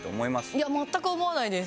いや全く思わないです。